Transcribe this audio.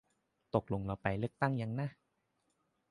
ตกลงเราเลือกตั้งไปยังนะ